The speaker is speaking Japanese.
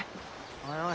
おいおい。